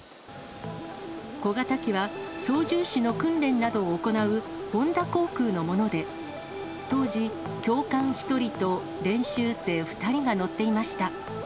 小型機は操縦士の訓練などを行う本田航空のもので、当時、教官１人と練習生２人が乗っていました。